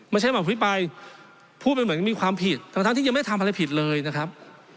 มาใช้เหมาะพิปรายพูดเป็นเหมือนมีความผิดต่างที่ยังไม่ได้ทำอะไรผิดเลยนะครับ